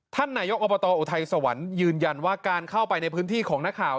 ท่านนายกอบตอุทัยสวรรค์ยืนยันว่าการเข้าไปในพื้นที่ของนักข่าว